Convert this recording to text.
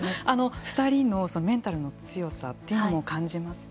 ２人のメンタルの強さというのも感じますか。